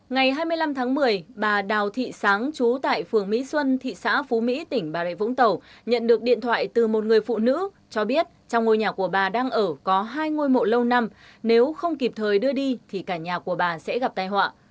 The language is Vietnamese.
ngày hai mươi năm tháng một mươi bà đào thị sáng chú tại phường mỹ xuân thị xã phú mỹ tỉnh bà rịa vũng tàu nhận được điện thoại từ một người phụ nữ cho biết trong ngôi nhà của bà đang ở có hai ngôi mộ lâu năm nếu không kịp thời đưa đi thì cả nhà của bà sẽ gặp tai họa